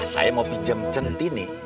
saya mau pinjam centini